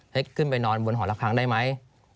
ให้ขึ้นไปนอนบนหอละครั้งได้ไหม